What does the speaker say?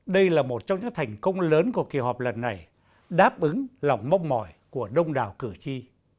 đây là một trong những thành công lớn của kỳ họp lần này đáp ứng lòng mong mỏi của đông đảo cử tri